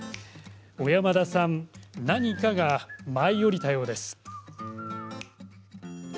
小山田さん何かが舞い降りたようです。